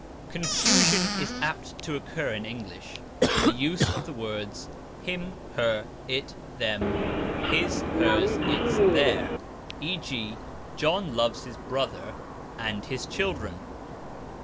Confusion is apt to occur in English in the use of the words "him, her, it, them; his, hers, its, their", e.g., "John loves his brother and his children."